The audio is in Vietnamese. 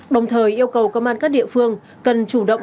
đồng thời yêu cầu công an các địa phương cần chủ động